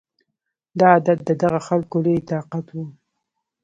دا عادت د دغه خلکو لوی طاقت و